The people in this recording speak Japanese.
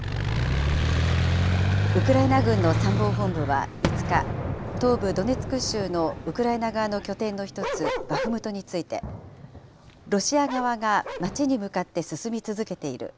ウクライナ軍の参謀本部は５日、東部ドネツク州のウクライナ側の拠点の一つ、バフムトについてロシア側が、街に向かって進み続けている。